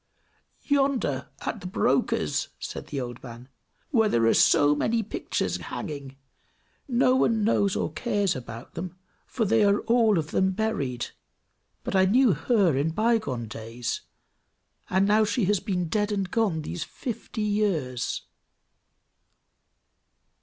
"Yonder, at the broker's," said the old man, "where there are so many pictures hanging. No one knows or cares about them, for they are all of them buried; but I knew her in by gone days, and now she has been dead and gone these fifty years!"